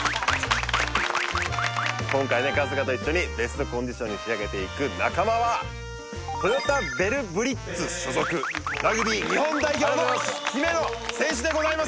今回ね春日と一緒にベストコンディションに仕上げていく仲間はＴＯＹＯＴＡＶＥＲＢＬＩＴＺ所属ラグビー日本代表の姫野選手でございます